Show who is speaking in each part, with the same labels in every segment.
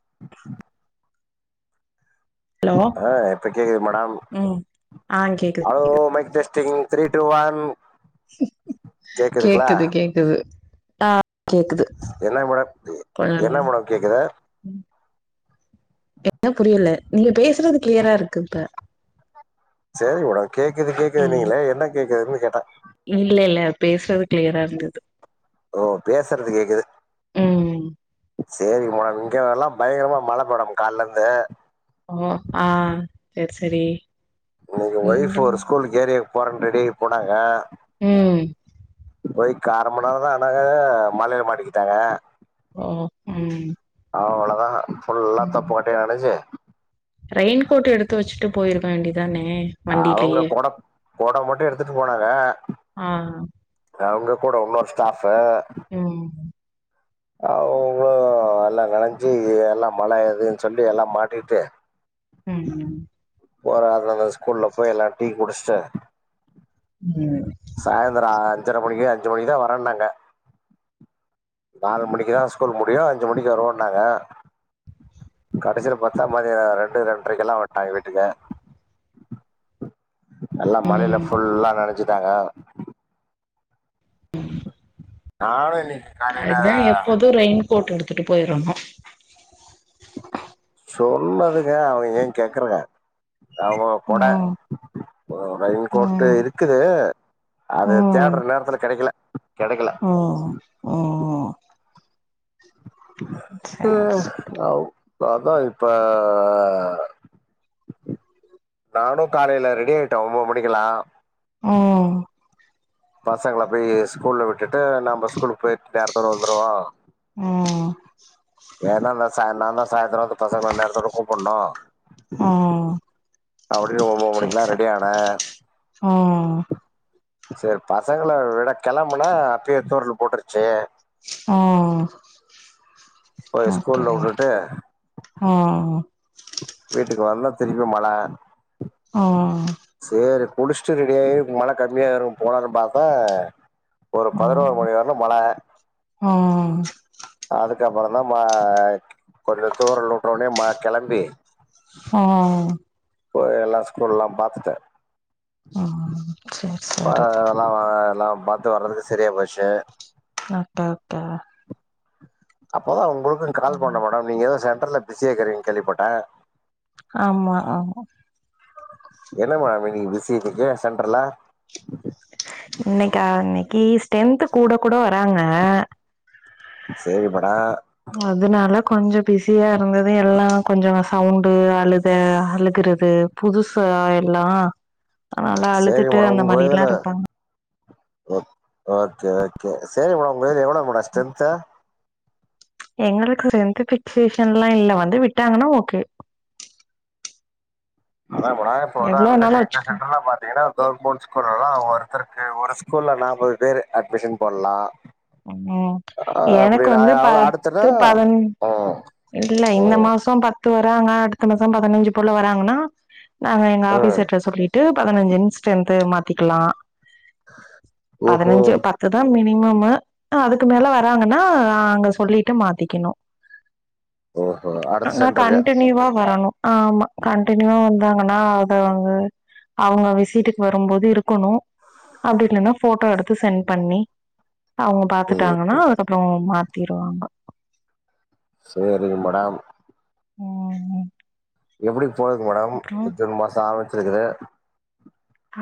Speaker 1: [unintelligible] Hello
Speaker 2: ஆ இப்ப கேக்குது மேடம்
Speaker 1: ம் ஆ கேக்குது
Speaker 2: hello mic testing three two one கேக்குதுங்களா
Speaker 1: கேக்குது கேக்குது, ஆ கேக்குது
Speaker 2: என்ன மேடம்
Speaker 1: சொல்லுங்க
Speaker 2: என்ன மேடம் கேக்குது
Speaker 1: எப்ப புரியல நீங்க பேசுறது கிளியரா இருக்கு இப்ப
Speaker 2: சேரிங்க மேடம் கேக்குது
Speaker 1: ம்
Speaker 2: கேக்குதுனீங்களே என்ன கேக்குதுன்னு கேட்டா
Speaker 1: இல்ல இல்ல பேசுறது கிளியரா இருந்தது
Speaker 2: ஓ பேசுறது கேக்குது
Speaker 1: உம்
Speaker 2: சேரிங்க மேடம் இங்க நல்லா பயங்கரமா மழ மேடம் காலைல இருந்து
Speaker 1: ஓ ஆ செரி செரி
Speaker 2: இன்னைக்கு ஒய்ஃப் ஒரு ஸ்கூலுக்கு ஏரியாக்கு போறன்னு ரெடி ஆகி போனாங்க
Speaker 1: உம்
Speaker 2: போய் கா அரை மண் நேரம் தான் ஆனாங்க மழையில மாட்டிக்கிட்டாங்க
Speaker 1: ஓ உம்
Speaker 2: அவ்ளோதான் ஃபுல்லா தொப்பக்கொட்டயா நெனச்சி
Speaker 1: ரெயின்க்கோட் எடுத்து வச்சுட்டு போயிருக்க வேண்டிதானே
Speaker 2: அவுங்க கொட கொட மட்டும் எடுத்துட்டு போனாங்க
Speaker 1: ஆ
Speaker 2: அவுங்க கூட ஒன்னொரு ஸ்டாப்பு
Speaker 1: ம்
Speaker 2: அவுங்க ஓ எல்லாம் நனஞ்சி எல்லாம் மழை எதுன்னு சொல்லி எல்லாம் மாட்டிட்டு
Speaker 1: உம் ம்
Speaker 2: போறா அது அந்த ஸ்கூல்ல போய் எல்லாம் டீ குடிச்சுட்டு
Speaker 1: உம்
Speaker 2: சாயிந்தரம் அஞ்சரை மணிக்கு அஞ்சு மணிக்கு தான் வர்றனாங்க நாலு மணிக்கு தான் ஸ்கூல் முடியும் அஞ்சு மணிக்கு வருவோம் நாங்க கடைசியில பாத்தா மதியம் ரெண்டு ரெண்டரைக்கு எல்லாம் வந்ட்டாங்க வீட்டுக்கு எல்லாம் மழையில
Speaker 1: ம்
Speaker 2: ஃபுல்லா நெனச்சிட்டாங்க நானு இன்னைக்கு காலையில்
Speaker 1: அதான் எப்போதும் ரெயின் கோட்டு எடுத்துட்டு போயிரணும்
Speaker 2: சொன்னதுக்கு அவா எங்க கேக்குறா அவுங்க கொட
Speaker 1: ம்
Speaker 2: ரெயின்கோட்டு
Speaker 1: ம்
Speaker 2: இருக்குது அது
Speaker 1: ம்
Speaker 2: தேட்ற நேரத்துல கெடைக்கல கெடைக்கல
Speaker 1: ஆ சேர்
Speaker 2: ம்
Speaker 1: சேர்
Speaker 2: ஆ அதான் இப்ப நானும் காலேல ரெடியாயிட்டேன் ஒன்பது மணிக்கல்லாம்
Speaker 1: ஆ
Speaker 2: பசங்கள போய் ஸ்கூல்ல விட்டுட்டு நம் ஸ்கூலுக்கு போயிட்டு நேரத்தோட வந்துருவோ
Speaker 1: ம்
Speaker 2: ஏன்னா நா சாய் நா தா சாய்ந்தரம் வந்து பசங்கள நேரத்தோட கூப்பனும்
Speaker 1: ம்
Speaker 2: அப்டின்னு ஒம்போ மணிக்கல்லாம் ரெடி ஆன
Speaker 1: ஆ
Speaker 2: செரி பசங்க விட கெளம்பனா அப்பயே தூரல் போட்டுருச்சு
Speaker 1: ஆ
Speaker 2: போய்
Speaker 1: ஓகே
Speaker 2: ஸ்கூல்ல வுட்டுட்டு
Speaker 1: ஆ
Speaker 2: வீட்டுக்கு வந்த திருப்பி மழ
Speaker 1: ஆ
Speaker 2: சரி குளிச்சுட்டு ரெடி ஆயி மழ கம்மியாரு போலானு பாத்தா ஒரு பதினோரு
Speaker 1: ம்
Speaker 2: மணி வரலும் மழ அதுக்கப்பறம் தா மா கொஞ்ச தூரல் வுட்டோனயே மா கிளம்பி
Speaker 1: ஆ
Speaker 2: போய் எல்லா ஸ்கூல் எல்லாம் பாத்துட்ட
Speaker 1: ம் சேர்
Speaker 2: ஆ
Speaker 1: சேரி
Speaker 2: எல்லாம் பாத்து வர்றதுக்கு செரியா போச்சு
Speaker 1: அடடா
Speaker 2: அப்போதா ஒங்களுக்கு கால் பண்ண மேடொ நீங்க ஏதோ சென்டர்ல பிஸியாக்கிறீங்கனு கேள்விப்பட்டே
Speaker 1: ஆமா ஆ
Speaker 2: என்ன மேடொ இன்னிக்கு பிசி இன்னிக்கி சென்டர்ல
Speaker 1: இன்னக்கா இன்னிக்கு ஸ்ட்ரென்த் கூட கூட வராங்க
Speaker 2: சேரி மேடொ
Speaker 1: அதனால கொஞ்ச பிஸியா இருந்தது எல்லா கொஞ்சொ சவுண்டு அழுதெ அழுகுறது புதுசா எல்லா அதனால அழுதுட்டு அந்த மாரில்லா இருப்பாங்க
Speaker 2: ஓ ஓகே ஓகே சரி மேடொ உங்களுக் எவ்ளோ மேடொ ஸ்ட்ரென்து
Speaker 1: எங்களுக்கு எந்த பிக்சேஷன்லா இல்ல வந்து விட்டாங்னா ஓகே
Speaker 2: அதா மேடொ இப்போ வந்து
Speaker 1: எவ்ளோ
Speaker 2: எங்களுக்கு
Speaker 1: வேணாலு
Speaker 2: எங்க
Speaker 1: வச்சுக்க
Speaker 2: சென்ட்ர்ல்லா பாத்தீங்ன்னா கவர்மெண்ட் ஸ்கூல்லா ஒருத்தருக்கு ஒரு ஸ்கூல்ல நாப்பது பேரு அட்மிஷ போட்லா
Speaker 1: ம் எனக்கு வந்து
Speaker 2: அடுத்தது
Speaker 1: பத்து பதுனஞ்
Speaker 2: ம்
Speaker 1: இல்ல இந்த
Speaker 2: ம்
Speaker 1: மாசொ பத் த்து வராங்க அடுத்த மாசொ பதினஞ்சு போல வராங்கன்னா நாங்க எங்க
Speaker 2: ம்
Speaker 1: ஆபீஸர்ட் சொல்லிட் பத்து பதனஞ்சு ஸ்டன்த் மாத்திக்கலா
Speaker 2: ஓஹோ
Speaker 1: பதனஞ்சு பத்துதா மினிமமு அதுக்கு மேல வராங்ன்னா அங்க சொல்லிட்டு மாத்திக்கணு
Speaker 2: ஓஹோ அடுத்த
Speaker 1: ஆனா
Speaker 2: சென்டருக்கு
Speaker 1: கண்ட்னியூவா வரணு ஆமா கண்டினியூவா வந்தாங்னா அதவங்க அவுங்க விசீட்டுக்கு வருபோது இருக்கணு அப்டில்லனா ஃபோட்டோ எடுத்து சென்ட் பண்ணி அவுங்க
Speaker 2: ம்
Speaker 1: பாத்துட்டாங்னா அதுக்கப்பறொ மாத்திர்வாங்க
Speaker 2: சேரிங் மேடம்
Speaker 1: ம் ம்
Speaker 2: எப்படி போது மேடம் ஜூன் மாச ஆரம்பிச்சிருக்குது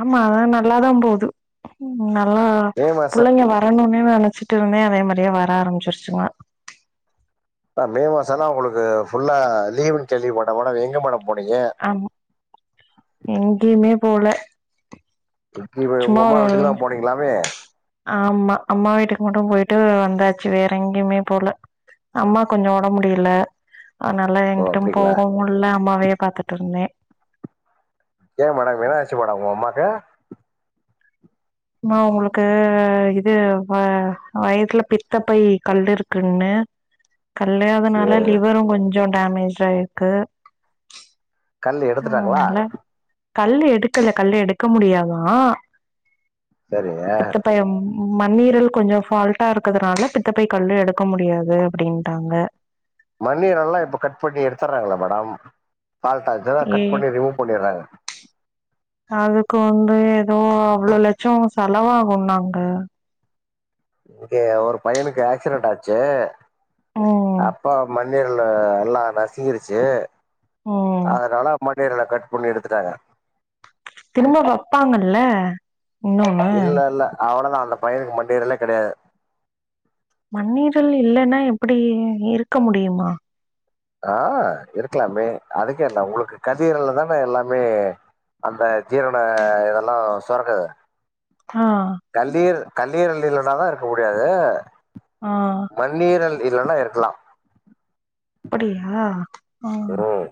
Speaker 1: ஆமா அதலா நல்லாதா போது நல்லா
Speaker 2: மே மாசோ
Speaker 1: புள்ளைங்க வர் னுன்னே நெனச்சிட்டுருந்தே அதே மாரிய வர ஆரம்பிச்சிருச்சுங்க
Speaker 2: ஆ மேமாசலா உங்களுக்கு ஃபுல்லா லீவுன்னு கேள்விப்பட்டே மேடம் எங்க மேடம் போனீங்க
Speaker 1: ஆமா எங்கியுமே போல
Speaker 2: [unintelligible] உங்க
Speaker 1: சும்மா
Speaker 2: அம்மா
Speaker 1: ஒரு
Speaker 2: வீட்டுக்கு தா போனீங்களாமே
Speaker 1: ஆமா அம்மா வீட்டுக்கு மட்டு போயிட்டு வந்தாச்சு வேற எங்கேயுமே போல அம்மாக் கொஞ்ச ஒடம் முடில அதனால
Speaker 2: ஓ
Speaker 1: என்கிட்டு
Speaker 2: அப்டிங்களா
Speaker 1: போகமுல்ல அம்மாவே பாத்துட்டு இருந்தே
Speaker 2: ஏன் மேடம் என்னாச்சி மேடம் உங்கம்மாக்கு
Speaker 1: அம்மா அவுங்களுக்கு இது வ வயிர்ல பித்த பை கல்லு இருக்குன்னு கல்லேயாதுனால
Speaker 2: சேரி
Speaker 1: லிவரு கொஞ்சோ டேமேஜாயிருக்கு
Speaker 2: கல் எடுத்துட்டாங்களா
Speaker 1: அதனால கல்லு எடுக்கல கல்லு எடுக்க முடியாதா
Speaker 2: சரிங்க
Speaker 1: பித்த பையம் மண்ணீரல் கொஞ்சோ ஃபால்ட்டா இருக்கதுனால பித்தப்பை கல்லு எடுக்க முடியாது அப்டின்ட்டாங்க
Speaker 2: மன்ணீரல்லா இப்போ கட் பண்ணி எடுத்துறாங்களே மேடம் ஃபால்ட் ஆச்சுனா
Speaker 1: ஏ
Speaker 2: கட் பண்ணி ரிமூவ் பண்ணிறாங்க
Speaker 1: அதுக்கு வந்து எதோ அவ்ளோ லட்சோ செலவாகுன்னாங்க
Speaker 2: இங்க ஒரு பையனுக்கு ஆக்சிடென்ட் ஆச்சு
Speaker 1: ம்
Speaker 2: அப்ப மண் ணீரல் எல்லா நசிங்கிருச்சு
Speaker 1: ம்
Speaker 2: அதனால மண்ணீரல கட் பண்ணி எடுத்துட்டாங்க
Speaker 1: திரும்ப வெப்பாங்கல்ல இன்னொ
Speaker 2: இல்ல இல்ல அவ்வளதா அந்த பையனுக்கு மண்ணீரலே கிடையாது
Speaker 1: மண்ணீரல் இல்லன்னா எப்படி இருக்க முடியுமா
Speaker 2: ஆ இருக்கலாமே அதுக்கென்ன உங்களுக்கு கல்லீரல்ல தானே எல்லாமே அந்த ஜீரண இதெல்லா சொரக்குது
Speaker 1: ஆ
Speaker 2: கல்லீர கல்லீரல் இல்லனாதா இருக்க முடியாது
Speaker 1: ஆ
Speaker 2: மண்ணீரல் இல்லன்னா இருக்கலா
Speaker 1: அப்படியா ஆ
Speaker 2: ம்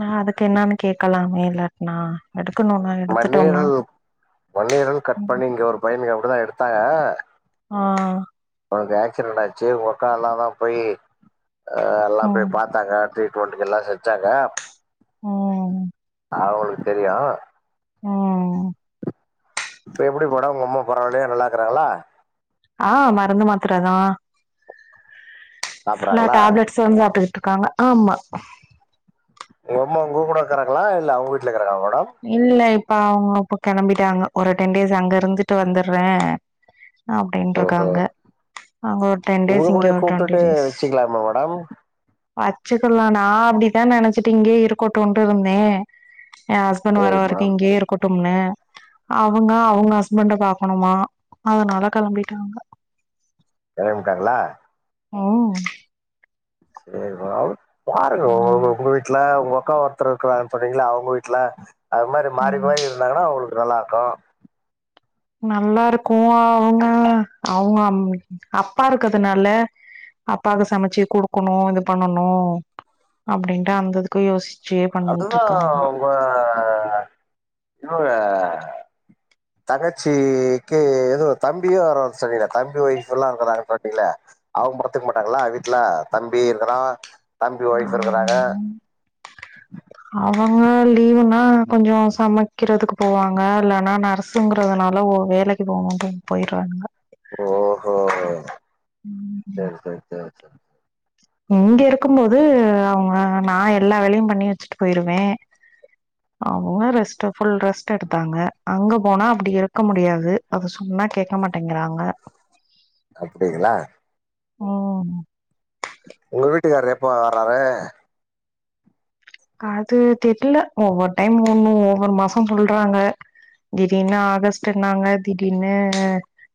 Speaker 1: ஆ அதுக்கு என்னன்னு கேக்கலாமே இல்லாட்னா எடுக்கணுனா எடுத்துட்டோம்னா
Speaker 2: மண்ணீரல் மண்ணீரல் கட்
Speaker 1: ம்
Speaker 2: பண்ணி இங்க ஒரு பையனுக் அப்டிதா எடுத்தாங்க
Speaker 1: ஆ
Speaker 2: அவனுக்கு ஆக்சிடென்ட் ஆச்சு உங்கக்கா எல்லா தா போய் எல்லா
Speaker 1: ம்
Speaker 2: போய் பாத்தாங்க ட்ரீட் மென்ட்டுக்கு எல்லா செஞ்சாங்க
Speaker 1: ம்
Speaker 2: அவுங்களுக்கு தெரியு
Speaker 1: ம்
Speaker 2: இப்ப எப்டி ஓடம் உங்க அம்மா பரவால்லயா நல்லா இருக்கறாங்களா
Speaker 1: ஆ மருந்து மாத்திர தா ஃபுல்லா
Speaker 2: சாப்பறாங்களா
Speaker 1: டேப்லெட்ஸ் ஸு சாப்ட்டுக்கிட்டு இருக்காங்க ஆமா
Speaker 2: உங்க அம்மா உங்க கூட இருக்கறாங்களா இல்ல அவுங்க வீட்ல இருக்காங்களா மேடம்
Speaker 1: இல்ல இப்ப அவுங்க இப்ப கிளம்பிட்டாங்க ஒரு டென் டேஸ் அங்க இருந்துட்டு வந்துறே
Speaker 2: ஓஹோ
Speaker 1: அப்படின்ட்ருக்காங்க அங்க ஒரு டென் டேஸ் இங்க ஒரு டுவொண்ட்டி டேஸ்
Speaker 2: எல்லாருமா மேடம்
Speaker 1: வச்சுக்கலா நா அப்டிதா நினைச்சட்டு இங்கே இருக்கட்டுனு இருந்தே ஏ ஹஸ்பண்ட் வர
Speaker 2: சரி
Speaker 1: வரைக்கு
Speaker 2: மேடம்
Speaker 1: இங்கயே இருக்கட்டும்னு அவுங்க அவுங்க ஹஸ்பண்ட பாக்கணுமா அதுனால கிளம்பிட்டாங்க
Speaker 2: இட விட்டாங்கள
Speaker 1: ம்
Speaker 2: சேரி வா வாடக
Speaker 1: ம்
Speaker 2: உங்க வீட் ல உக்க ஒருத்தர் இருக்கிற சொன்னீங்களா அவங்க வீட்டுல அது மாரி மாரி
Speaker 1: ம்
Speaker 2: மாரி இரு இருந்தாங்கன்னா அவளுக்கு நல்லா இருக்கு
Speaker 1: நல்லா இருக்கோ அவங்க அவங்க அப்பா இருக்கதுனால அப்பாக்கு சமைச்சு கொடுக்கணு இது பண்ணணு அப்டின்ட்டு அந்தது கே யோசிச்சு பண்
Speaker 2: அதுதா உங்க இவங்க
Speaker 1: [inaudible]
Speaker 2: தகச்சிக்கு ஏதோ தம்பியே வர வர சரியில்லா தம்பி ஒய்ஃ எல்லா இருக்கறாங் சொன்னீளா அவங்க மத்துக்க மாட்டாங்களா வீட்டுல தம்பி இருக்கிறா தம்பி ஒய்ஃப் இருக்கறாங்க
Speaker 1: அவங்க லீவுனா கொஞ்சோ சமைக்கிறதுக்கு போவாங்க இல்லன்னா நர்ஸ்ங்கிறதுனால ஓ வேலைக்கு இப்போ அவுங்களு போயிடுவாங்க
Speaker 2: ஓஹோ சேரி சேரி சேரி சேரி
Speaker 1: இங்க இருக்கு போது அவங்க நா எல்லா வேலையு பண்ணி வச்சுட்டு போயிருவே அவங்க ரெஸ்ட்ட் புல் ரெஸ்ட் எடுத்தாங்க அங்க போனா அப்டி இருக்க முடியாது அவங்க சொன்னா கேக்க மாட்டேங்கிறாங்க
Speaker 2: அப்டிகளா
Speaker 1: ம்
Speaker 2: உங்க வீட்டுக்காரு எப்ப வர்றாரு
Speaker 1: அது தெர்ல ஒவ்வொரு டைம் ஒண்ணு ஒவ்வொரு மாச சொல்றாங்க திடீர்னு ஆகஸ்ட்ன்னாங்க திடீர்னு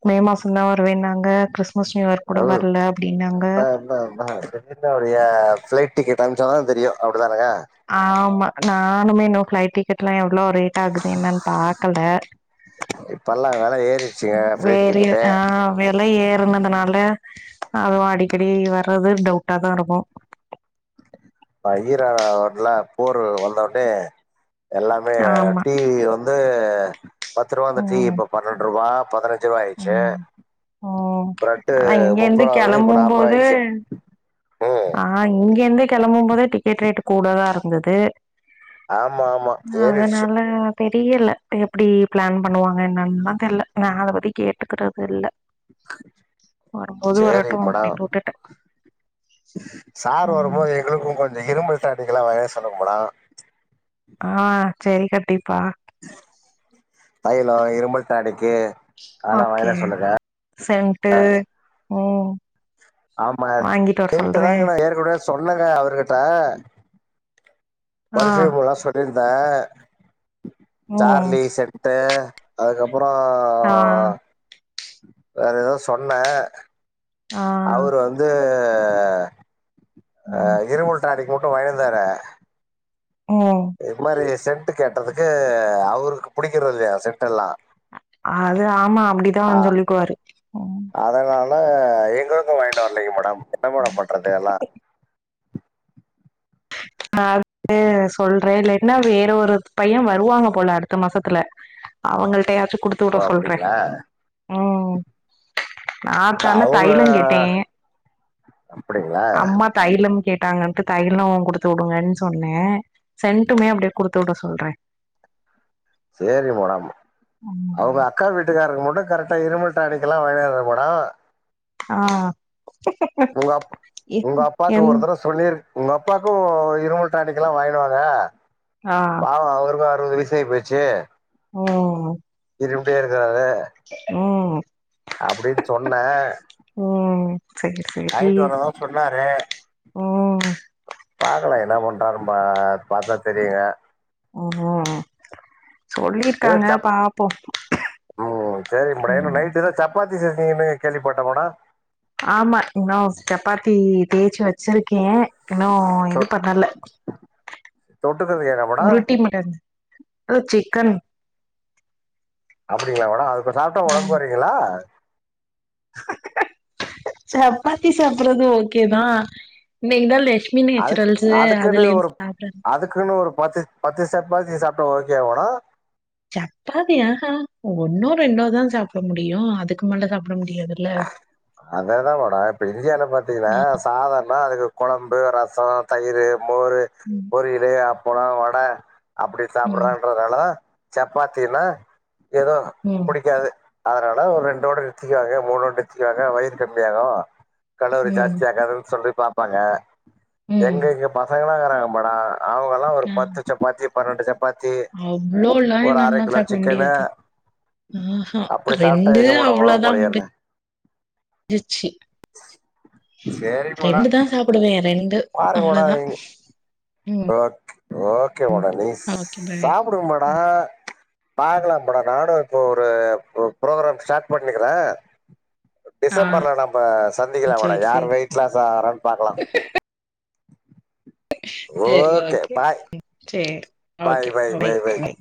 Speaker 1: மே மாசம் தா வருவேன்னாங்க கிர் முஸ்லீம்வர் கூட வரல அப்டின்னாங்க
Speaker 2: [unintelligible] என்ன அவருடைய ஃப்ளைட் டிக்கெட் அனுச்சா தா தெரியு அப்டிதானே
Speaker 1: ஆமா நானுமே இன்னு ஃப்ளைட்டிக்கெட்லா எவ்ளோ ரேட் ரேட் ஆகுது என்னன்னு பாக்கல
Speaker 2: இப்பல்லா வெல ஏறிடுச்சுங்க ஃபிளைட்
Speaker 1: வேற
Speaker 2: டிக்கெட்டு
Speaker 1: ஆ வெல ஏறனதுனால அதுவு அடிக்கடி வர்றது டவுட்டா தா இருக்கு
Speaker 2: [unintelligible] போர் வந்தோனே எல்லாமே
Speaker 1: ஆமா
Speaker 2: டி வி லா வந்து வந்து பத்து ரூவா இருந்து டீ
Speaker 1: ம்
Speaker 2: இப்ப பன்னெண்டு ரூபா பதினஞ்சு ரூபா ஆயிடுச்சு
Speaker 1: ம் ம்
Speaker 2: பிரெட்டு
Speaker 1: அதா இங்க இருந்து
Speaker 2: முப்பது ருபாஇருந்தது இப்ப
Speaker 1: கெளம்பும்
Speaker 2: நாப்பது ரூபா
Speaker 1: போது
Speaker 2: ஆய்டுச்சு
Speaker 1: ஆ இங்க இருந்து கிளம்பு போதே டிக்கெட் ரேட் கூடதாருந்தது
Speaker 2: ஆமா ஆமா ஏறிடுச்சு
Speaker 1: அதனால தெரியல எப்டி பிளான் பண்ணுவாங்க என்னன்னுதா தெரில நா அத பத்தி கேட்டுக்கிறது இல்ல வருபோது
Speaker 2: சேரி
Speaker 1: வரட்டு
Speaker 2: மேடம்
Speaker 1: அப்டின்னு உட்டுட்டே
Speaker 2: சார்
Speaker 1: ம்
Speaker 2: வருபோது எங்களுக்கு கொஞ்சோ இரும்பல் டாணிக்கல்லா வாங்கி சொல்லும்படா
Speaker 1: ஆ சேரி கண்டிப்பா
Speaker 2: தயலம் இரும்மல் டாணிக்கு
Speaker 1: ஓகே சென்டு ம்
Speaker 2: ஆமா
Speaker 1: வாங்கிட்டு வர சொல்றே
Speaker 2: சென்ட்தாங்க ஏற்கனவே சொன்னேங்க அவர்கிட்ட
Speaker 1: ஆ
Speaker 2: பர்ஃப்யூமெலா சொல்லிருந்தே
Speaker 1: ம்
Speaker 2: சார்லி சென் ட்டு அதுக்கப்புறோ
Speaker 1: ஆ
Speaker 2: வேற ஏதோ சொன்ன
Speaker 1: ஆ
Speaker 2: அவரு வந்து
Speaker 1: ம்
Speaker 2: இருமல் டாணிக்கு மட்டு வாயன்தரே
Speaker 1: ம்
Speaker 2: இது மாரி சென்ட் கேட்டதுக்கு அவருக்கு பிடிக்கற இல்லையா சென்ட் எல்லா
Speaker 1: அது ஆமா அப்டிதா
Speaker 2: ஆ
Speaker 1: சொல்லிக்குவாரு
Speaker 2: அதனால எங்களுக்கும் வாங்கிட்டு வரலைங்க மேடம் என்ன மேடம் பண்ணுறது எல்லாம்
Speaker 1: நா அது சொல்றேன் இல்லைனா வேற ஒரு பையன் வருவாங்க போல அடுத்த மாசத்துல அவங்கள்ட்டயாச்சும் குடுத்து விட
Speaker 2: ஓ
Speaker 1: சொல்றே
Speaker 2: அப்டிங்களா
Speaker 1: ம் நான்
Speaker 2: இல்ல
Speaker 1: தானா
Speaker 2: அவங்க
Speaker 1: தைலம் கேட்டேன்
Speaker 2: அப்டிங்களா
Speaker 1: அம்மா தைலம் கேட் ட்டாங்கன்ட்டு தையலோ குடுத்து விடுங்கன்னு சொன்னே சென்ட்டுமே அப்டியே குடுத்து விட சொல்றேன்
Speaker 2: சேரி மேடம் அவுங்க அத் அக்கா வீட்டுக்காருக்கு மட்டும் கரெக்டா இருமல் டாணிக்கலா வாங்கியாந்துபோறா
Speaker 1: ஆ
Speaker 2: உங்க அப்
Speaker 1: இ
Speaker 2: உங்க அப்பாக்கு
Speaker 1: எம்
Speaker 2: ஒரு தடவ சொல்லிரு உங்க அப்பாக்கும் இருமல் டாணிக்கல்லா வாங்கினுவாங்க
Speaker 1: ஆ
Speaker 2: ஆமா அவருக்கும் அறுவது வயசாயி போயிடுச்சு
Speaker 1: ம்
Speaker 2: இருமிடே இருக்குறாரு
Speaker 1: ம்
Speaker 2: அப்டின்னு சொன்னே
Speaker 1: ம் சேரி சேரி
Speaker 2: வாங்கிட்டு வரதா சொன்னாரு
Speaker 1: ம்
Speaker 2: பாக்கலாம் என்ன பண்றான் பா பாத்தா தெரியு
Speaker 1: ம் ம்
Speaker 2: ஏதோ
Speaker 1: சொல்லிருக்காங்க
Speaker 2: சப்
Speaker 1: பாப்போம்
Speaker 2: ம் சரி மேடம்
Speaker 1: ம்
Speaker 2: நைட்டு ஏதோ சப்பாத்தி சேஞ்சிங்கனு கேள்விப்பட்டோம்னா
Speaker 1: ஆமா இன்னும் சப்பாத்தி தேய்ச்சு வச்சிருக்கேன் இன்னும்
Speaker 2: சொ
Speaker 1: இது பண்ணல
Speaker 2: தொட்டுக்கிறதுக்கு என்ன மேடம்
Speaker 1: உருட்டி ம டன் ஓ சிக்கன்
Speaker 2: அப்டிங்களா மேடம் அது சாப்ட்டா உடம்பு
Speaker 1: ம்
Speaker 2: குறையுங்களா
Speaker 1: சப்பாத்தி சாப்பறது ஓகே தான் இன்னிக்குதான் லெ
Speaker 2: அதுக்கு அதுக்குன்னு ஒரு அதுக்குன்னு ஒரு பத்து பத்து சப்பாத்தி சாப்ட்டா ஓகே வா மேடம்
Speaker 1: சப்பாத்தி ஆஹா ஒன்னோ ரெண்டோ தான் சாப்புட முடியும் அதுக்கு மேல சாப்ட முடியாதுல்ல
Speaker 2: அததா மேடம் இப்ப இந்தியாவுல பாத்தீங்கன்னா சாதம்னா அதுக்கு கொழம்பு ரசோ தயிரு மோர்
Speaker 1: ம்
Speaker 2: பொரிலு அப்பலம் வட அப்டி
Speaker 1: ம்,
Speaker 2: சாப்பறான்ற இருந்தாலும் சப்பாத்தினா ஏதோ
Speaker 1: ம்
Speaker 2: நிக்காது அதனால ஒரு ரெண்டோட நித்திக்குவாங்க மூணோட நித்திக்குவாங்க வயிறு கம்மியா ஆகும் கல்லூரி
Speaker 1: ம்,
Speaker 2: ஜாஸ்திய ஆகாதுன்னு சொல்லி பாப்பாங்க எங்க
Speaker 1: ம்.
Speaker 2: இங்க பசங்களா இருக்கறாங்க படா அவுங்கல்லா ஒரு
Speaker 1: அ
Speaker 2: பத்து சப்பாத்தி பன்னெண்டு சப் ப்பாத்தி
Speaker 1: அவ்ளோலாம்
Speaker 2: ஒரு அர
Speaker 1: என்னாலலாம்
Speaker 2: கிலோ
Speaker 1: சாப்பிட
Speaker 2: சிக்கன்னு
Speaker 1: முடியாது. ஆஹா
Speaker 2: அப்டி சாப்ட்டா எங்க மேட ஒடம்பு குறையறது
Speaker 1: பிச்சீ ரெண்டு தான் சாப்பிடுவேன் ரெண்டு
Speaker 2: பாரு ஓடாதிங் ஓக் ஓக்கே மேடோ நீ
Speaker 1: ஓகே பை.
Speaker 2: சாப்புடுங்க மேடோ பாக்கலா மேடம் நானு இப்போ ஒரு பு புரோக்ராம் ஸ்டார்ட் பண்ணிக்கிற
Speaker 1: ஆ
Speaker 2: டிசம்பர்ல நம்ப சந்திக்கலா
Speaker 1: சரி,
Speaker 2: மேடம் யாரு
Speaker 1: சரி.
Speaker 2: வெயிட் லாஸ் ஆவரானு பாக்கலா
Speaker 1: செரி ஓகே செரி
Speaker 2: bye
Speaker 1: okay
Speaker 2: bye
Speaker 1: bye
Speaker 2: bye bye
Speaker 1: by